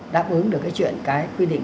đáp ứng được cái chuyện cái quy định